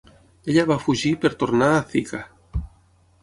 Ella va fugir per tornar a Thika.